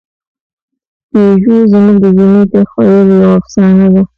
پيژو زموږ د جمعي تخیل یوه افسانه ده.